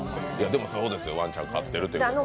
でもそうですよ、ワンちゃん飼ってるってことだから。